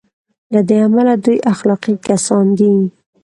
له دې امله دوی اخلاقي کسان دي.